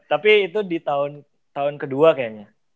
tapi itu di tahun kedua kayaknya